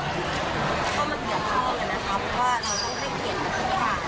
ความสำคัญของเราไม่ได้ทำให้